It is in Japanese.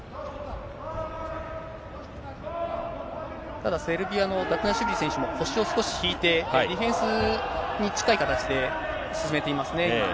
ただセルビアのダトゥナシュビリ選手は、腰を少し引いて、ディフェンスに近い形で進めていますね、今。